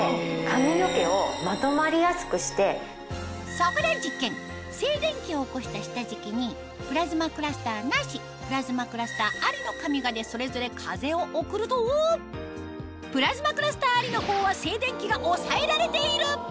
そこで実験静電気を起こした下敷きにプラズマクラスターなしプラズマクラスターありのカミガでそれぞれプラズマクラスターありの方は静電気が抑えられている！